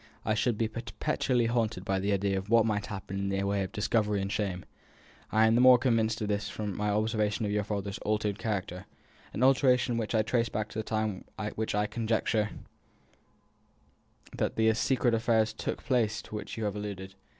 I should be perpetually haunted by the idea of what might happen in the way of discovery and shame. I am the more convinced of this from my observation of your father's altered character an alteration which I trace back to the time when I conjecture that the secret affairs took place to which you have alluded.